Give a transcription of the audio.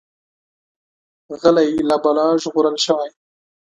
غلی، له بلا ژغورل شوی.